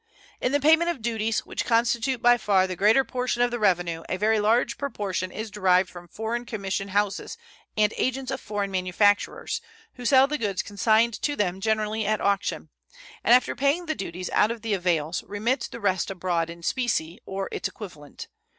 In the payment of duties, which constitute by far the greater portion of the revenue, a very large proportion is derived from foreign commission houses and agents of foreign manufacturers, who sell the goods consigned to them generally at auction, and after paying the duties out of the avails remit the rest abroad in specie or its equivalent.